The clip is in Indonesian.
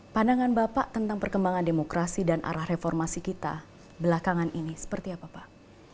pandangan bapak tentang perkembangan demokrasi dan arah reformasi kita belakangan ini seperti apa pak